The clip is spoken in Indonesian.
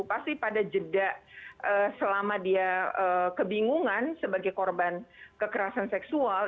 pasti pada jeda selama dia kebingungan sebagai korban kekerasan seksual